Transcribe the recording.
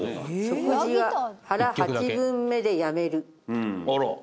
「食事は腹八分目でやめる」ねっ？